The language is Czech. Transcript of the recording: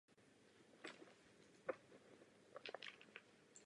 Státní orgány nejsou však v aplikaci své moci zcela neomezené.